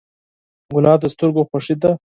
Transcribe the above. ګلاب د سترګو خوښي ده.